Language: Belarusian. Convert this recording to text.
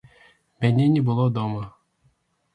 Мяне не было дома.